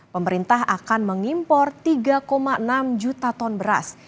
pemerintah akan mengimpor tiga enam juta ton beras